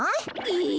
え！